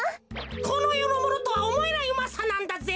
このよのものとはおもえないうまさなんだぜ。